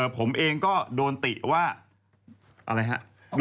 ผมเองก็โดนติว่าอะไรครับ